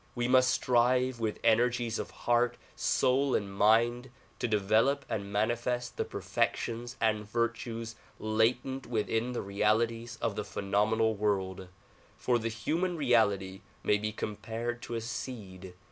We must strive with energies of heart, soul and mind to develop and mani fest the perfections and virtues latent within the realities of the phenomenal world, for the human reality may be compared to a seed.